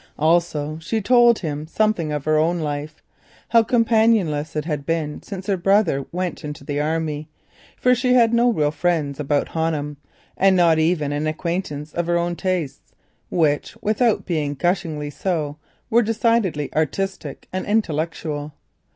Also she told him something of her own life, how companionless it had been since her brother went into the army, for she had no real friends about Honham, and not even an acquaintance of her own tastes, which, without being gushingly so, were decidedly artistic and intellectual.